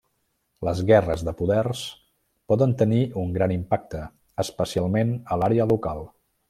Les guerres de poders poden tenir un gran impacte, especialment a l'àrea local.